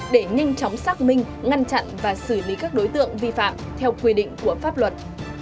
để nhanh chóng xác minh ngăn chặn và xử lý các đối tượng vi phạm theo quy định của pháp luật